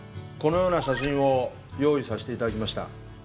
このような写真を用意させて頂きました。